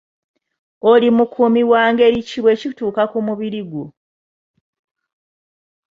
Oli mukuumi wa ngeri ki bwe kituuka ku mubiri gwo?